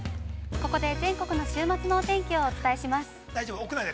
◆ここで全国の週末のお天気をお伝えします。